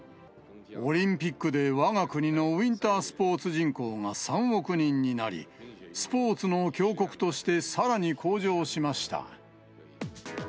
オリンピックでわが国のウインタースポーツ人口が３億人になり、スポーツの強国としてさらに向上しました。